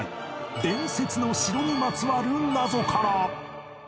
伝説の城にまつわる謎から